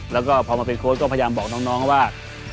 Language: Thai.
แล้วก็พอมาเป็นโค้ชก็พยายามบอกน้องว่า